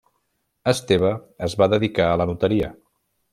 Esteve es va dedicar a la notaria.